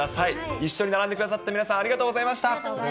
一緒に並んでくださった皆さん、ありがとうございました。